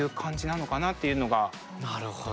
なるほど。